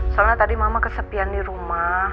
soalnya tadi mama kesepian di rumah